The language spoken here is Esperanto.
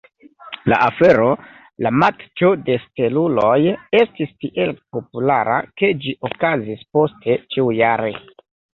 La afero, la Matĉo de Steluloj, estis tiel populara ke ĝi okazis poste ĉiujare.